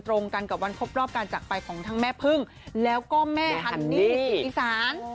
ตรงกันกับวันครบรอบการจักรไปของทั้งแม่พึ่งแล้วก็แม่ฮันนี่ศรีอีสาน